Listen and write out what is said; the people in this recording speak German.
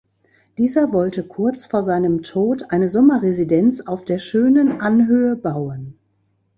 Dieser wollte kurz vor seinem Tod eine Sommerresidenz auf der schönen Anhöhe bauen.